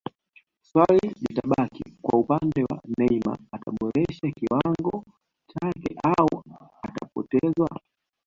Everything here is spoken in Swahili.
swali litabaki kwa upande wa Neymar ataboresha kiwango chake au atapotezwa